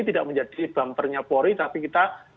tidak menjadi bumpernya polri tapi kita